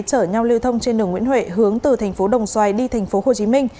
chở nhau lưu thông trên đường nguyễn huệ hướng từ tp đồng xoài đi tp hcm